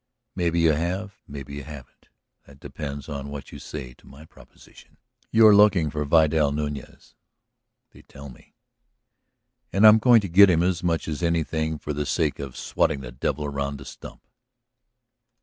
"Maybe you have; maybe you haven't. That depends on what you say to my proposition. You're looking for Vidal Nuñez, they tell me?" "And I'm going to get him; as much as anything for the sake of swatting the devil around the stump."